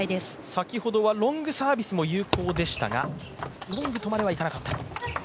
先ほどはロングサービスも有効でしたがロングとまではいかなかった。